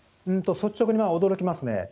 率直に驚きますね。